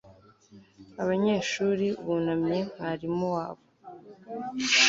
abanyeshuri bunamye mwarimu wabo